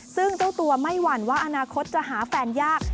ซึ่งเจ้าตัวไม่หวั่นว่าอนาคตจะหาแฟนยาก